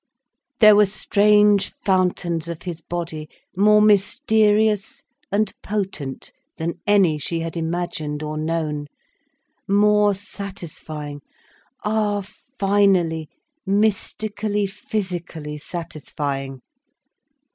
There were strange fountains of his body, more mysterious and potent than any she had imagined or known, more satisfying, ah, finally, mystically physically satisfying.